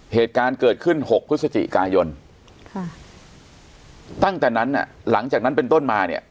เหตุการณ์เกิดขึ้น๖พฤศจิกายนตั้งแต่นั้นหลังจากนั้นเป็นต้นมาเนี่ย